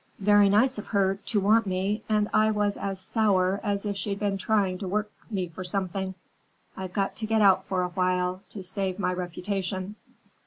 Very nice of her to want me, and I was as sour as if she'd been trying to work me for something. I've got to get out for a while, to save my reputation."